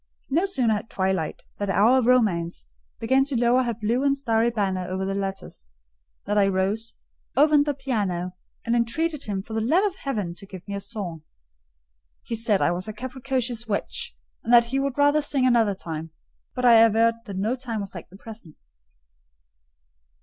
No sooner had twilight, that hour of romance, began to lower her blue and starry banner over the lattice, than I rose, opened the piano, and entreated him, for the love of heaven, to give me a song. He said I was a capricious witch, and that he would rather sing another time; but I averred that no time was like the present.